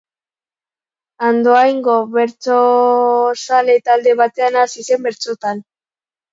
Andoaingo bertsozale-talde batean hasi zen bertsotan.